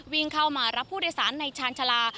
วิ่งเข้ามารับผู้โดยสารในชาญชาลา